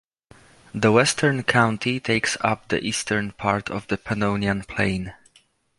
The western county takes up the Eastern part of the Pannonian Plain.